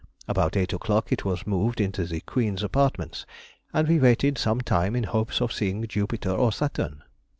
About 8 o'clock it was moved into the Queen's apartments, and we waited some time in hopes of seeing Jupiter or Saturn.